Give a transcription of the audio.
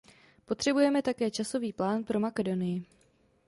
Potřebujeme také časový plán pro Makedonii.